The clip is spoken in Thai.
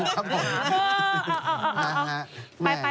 ใช่ครับผมอ๋อเอาเอา